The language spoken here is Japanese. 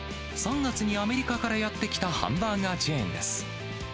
３月にアメリカからやって来たハンバーガーチェーンです。